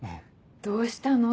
どうしたの？